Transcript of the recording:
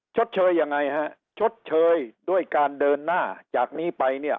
ชดเชยยังไงฮะชดเชยด้วยการเดินหน้าจากนี้ไปเนี่ย